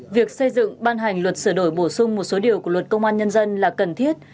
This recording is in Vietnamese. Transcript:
việc xây dựng ban hành luật sửa đổi bổ sung một số điều của luật công an nhân dân là cần thiết